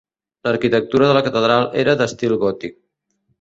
L'arquitectura de la catedral era d'estil gòtic.